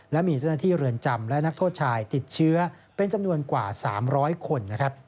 และมีเจ้าหน้าที่เรือนจำและนักโทษชายติดเชื้อเป็นจำนวนกว่า๓๐๐คนนะครับ